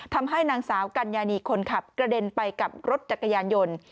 ทำให้นางสาวกัญญานีคนขับกระเด็นไปกับรถจักรยานยนต์